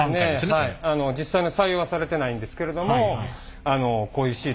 実際に採用はされてないんですけれども。